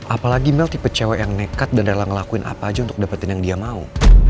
apalagi mel tipe cewek yang nekat dan rela ngelakuin apa aja untuk dapetin yang dia mau